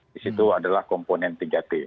di situ adalah komponen tiga t